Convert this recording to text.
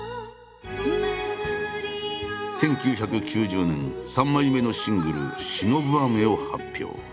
１９９０年３枚目のシングル「忍ぶ雨」を発表。